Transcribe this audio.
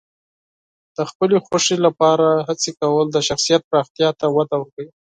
د خپلې خوښې لپاره هڅې کول د شخصیت پراختیا ته وده ورکوي.